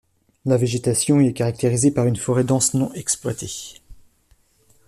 La végétation y est caractérisée par une forêt dense non exploitée.